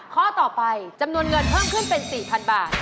ข้อต่อไปจำนวนเงินเพิ่มขึ้นเป็น๔๐๐๐บาท